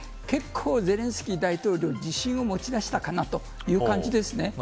ゼレンスキー大統領自信を持ち出したかなという感じです。